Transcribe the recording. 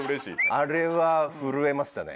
あれは震えましたね。